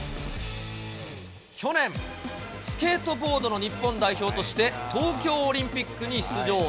去年、スケートボードの日本代表として東京オリンピックに出場。